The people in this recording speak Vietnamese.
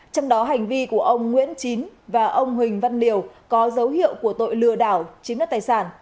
trong đó hành vi của ông nguyễn chín và ông huỳnh văn điều có dấu hiệu của tội lừa đảo chiếm đất tài sản